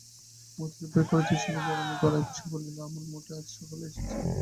মতির ভয় করিতেছিল, জড়ানো গলায় সে বলিল, আমরা মোটে আজ সকালে এসেছি।